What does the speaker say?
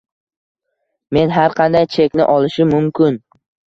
Men har qanday chekni olishim mumkin.